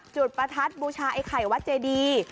ประทัดบูชาไอ้ไข่วัดเจดี